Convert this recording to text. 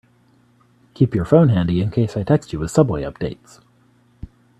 Keep your phone handy in case I text you with subway updates.